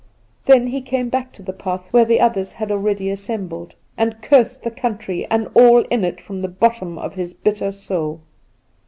Then he came back to the path where the others had already assembled, and cursed the country and all in it from the bottom of his bitter soul.